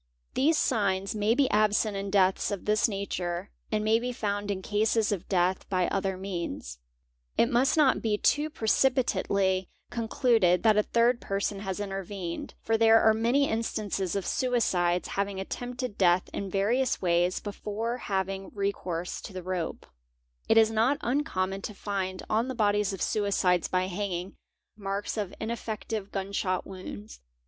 These signs may be absent in deaths of this nature and may be found in cases of death by other means 6 100) Tt must not be too precipitately concluded that é third person has intervened, for there are many instances of suicide: having attempted death in various ways before having recourse to th rope; it is not uncommon to find on the bodies of suicides by hangin marks of ineffective gun shot wounds.